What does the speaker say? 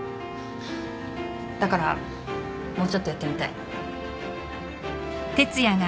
だからもうちょっとやってみたい。